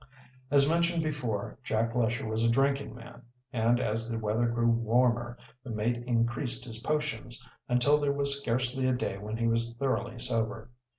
As mentioned before, Jack Lesher was a drinking man, and as the weather grew warmer the mate increased his potions until there was scarcely a day when he was thoroughly sober.